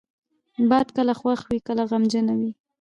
باد کله خوښ وي، کله غمجنه وي